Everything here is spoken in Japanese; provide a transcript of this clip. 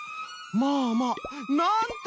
まあまあ！なんて